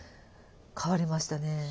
変わりましたねぇ。